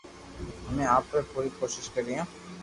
امي آپري پوري ڪوݾݾ ڪريو